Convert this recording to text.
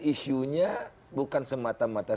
isunya bukan semata mata